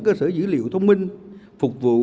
cơ sở dữ liệu thông minh